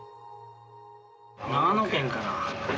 長野県から？